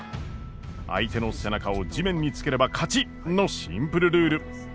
相手の背中を地面につければ勝ちのシンプルルール。